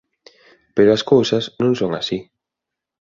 Pero as cousas non son así.